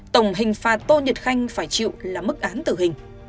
tổng hình phạt tô nhật khanh phải chịu là mức án tử hình